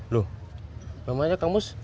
loh namanya kamus